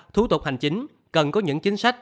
thú tục hành chính cần có những chính sách